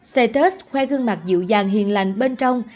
status khoe khuôn mặt dịu dàng hiền lành bên trong